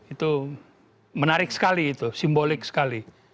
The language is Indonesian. itu menarik sekali itu simbolik sekali